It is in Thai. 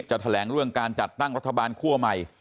แถลงเรื่องการจัดตั้งรัฐบาลคั่วใหม่